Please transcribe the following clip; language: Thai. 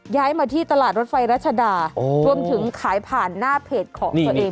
ย้ายมาที่ตลาดรถไฟรัชดารวมถึงขายผ่านหน้าเพจของตัวเอง